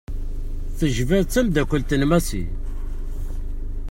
Tejba-d temddakelt n Massi.